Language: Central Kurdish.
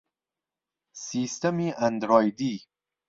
سیستەمی ئەندڕۆیدی